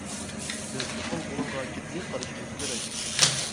بىز چوقۇم ئۇنىڭغا جىددىي قارىشىمىز كېرەك.